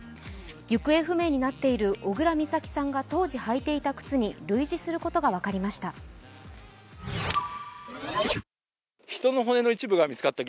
行方不明になっている小倉美咲さんが当時履いていた靴に類似することが分かりました。